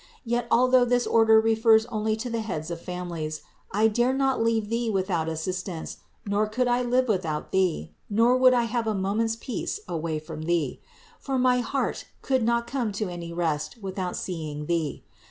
Yet, although this order refers only to the heads of families, I dare not leave Thee with out assistance, nor could I live without Thee, nor would I have a moment's peace away from Thee ; for my heart could not come to any rest without seeing Thee.